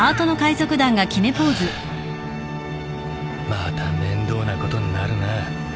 また面倒なことんなるな。